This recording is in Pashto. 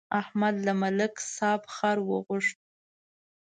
احمد له ملک صاحب خر وغوښت.